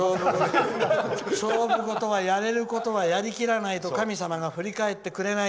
勝負事はやれることはやりきらないと神様は振り返ってくれない。